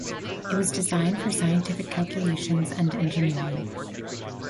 It was designed for scientific calculations and engineering.